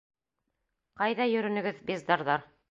— Ҡайҙа йөрөнөгөҙ, бездарҙар?